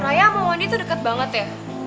raya sama wandi tuh deket banget ya